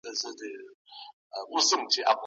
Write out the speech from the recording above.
سالم مصروفیتونه د اعتیاد مخه نیسي.